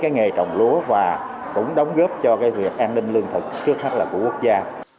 nghề trồng lúa và cũng đóng góp cho cái việc an ninh lương thực trước hết là của quốc gia